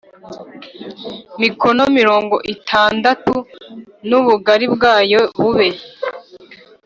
Mikono mirongo itandatu n ubugari bwayo bube